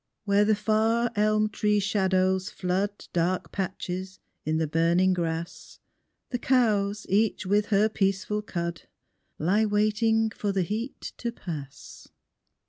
Where the far elm tree shadows flood Dark patches in the burning grass, The cows, each with her peaceful cud, Lie waiting for the heat to pass.